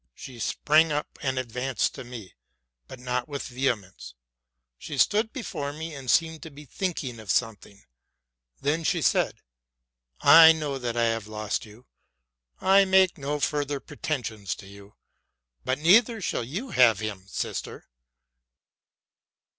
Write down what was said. She sprang up and advanced to me, but not with vehemence. She stood before me, and seemed to be thinking of something. Then she said, '' I know that I have lost you: I make no fur ther pretensions to you. But neither shall you have him, sister!